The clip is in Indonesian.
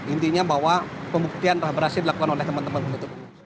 intinya bahwa pembuktian telah berhasil dilakukan oleh teman teman penutup umum